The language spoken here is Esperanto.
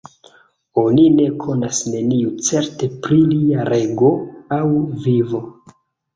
Oni ne konas neniu certe pri lia rego aŭ vivo.